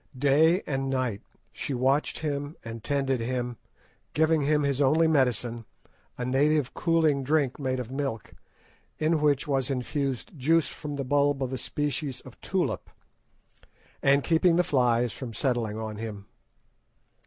Day and night she watched him and tended him, giving him his only medicine, a native cooling drink made of milk, in which was infused juice from the bulb of a species of tulip, and keeping the flies from settling on him.